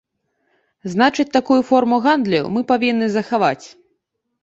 Значыць, такую форму гандлю мы павінны захаваць.